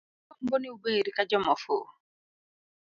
To agombo ni ubed ka joma ofuwo.